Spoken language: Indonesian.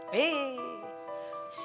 emang aku yang nyuci baju itu